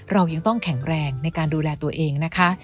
เรายังต้องแข็งแรงในการดูแลตัวเองนะคะ